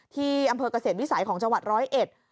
ที่อำเภอกเกษตรวิสัยของจังหวัดร้อยเอ็ด